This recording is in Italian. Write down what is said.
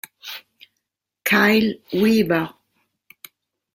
Kyle Weaver